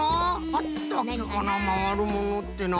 あったっけかなまわるものってな。